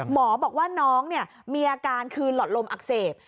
หมอบอกว่าน้องมีอาการคือหลอดลมอักเสบ